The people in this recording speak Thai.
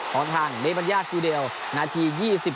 ของทางนิบัญญาติฟิวเดลนาที๒๗